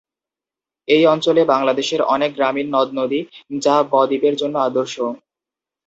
এই অঞ্চলে বাংলাদেশের অনেক গ্রামীণ নদ-নদী যা বদ্বীপের জন্য আদর্শ।